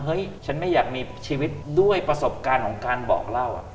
ฉันไม่อยากมีชีวิตด้วยประสบการณ์ของการบอกเล่า